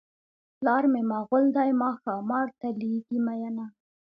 پلار مې مغل دی ما ښامار ته لېږي مینه.